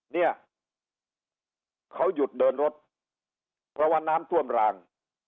เนี่ยเขาหยุดเดินรถเพราะว่าน้ำท่วมราง